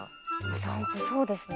お散歩そうですね。